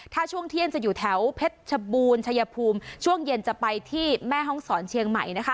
ถ้าช่วงเที่ยงจะอยู่แถวเพชรชบูรณ์ชัยภูมิช่วงเย็นจะไปที่แม่ห้องศรเชียงใหม่นะคะ